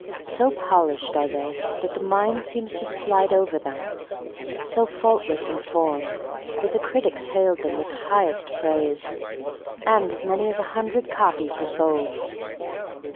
So polished are they that the mind seems to slide over them: so faultless in form that the critics hailed them with highest praise, and as many as a hundred copies were sold.